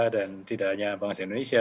dan tidak hanya bangsa indonesia